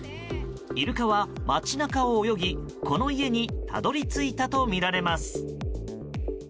イルカは街中を泳ぎこの家にたどり着いたとみられます。